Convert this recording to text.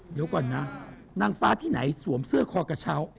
เดี๋ยวก่อนนะนางฟ้าที่ไหนสวมเสื้อคอกระเช้า